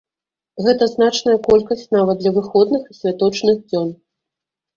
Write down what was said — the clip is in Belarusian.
Гэта значная колькасць нават для выходных і святочных дзён.